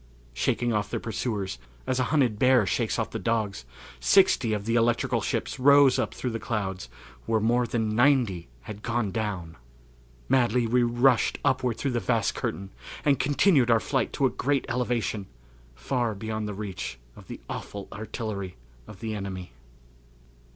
Shaking off their pursuers, as a hunted bear shakes off the dogs, sixty of the electrical ships rose up through the clouds where more than ninety had gone down! Madly we rushed upward through the vast curtain and continued our flight to a great elevation, far beyond the reach of the awful artillery of the enemy.